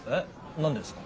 何でですか？